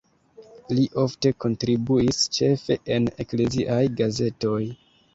Li ofte kontribuis ĉefe en ekleziaj gazetoj.